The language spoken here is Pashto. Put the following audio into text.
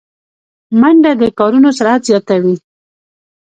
منډه د کارونو سرعت زیاتوي